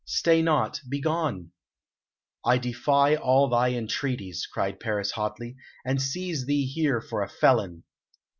Stay not; begone!" "I defy all thy entreaties," cried Paris hotly, "and seize thee here for a felon."